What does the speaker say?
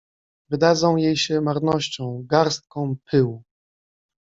Wydadzą jej się marnością, garstką pyłu…